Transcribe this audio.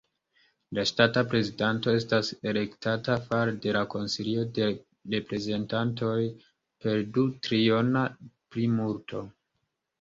La ŝtata prezidanto estas elektata fare de la Konsilio de Reprezentantoj per du-triona plimulto.